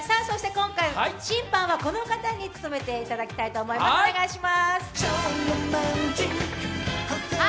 今回審判はこの方に務めていただきたいと思います。